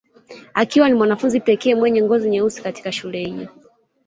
Akiwa ni mwanafunzi pekee mwenye ngozi nyeusi katika shule hiyo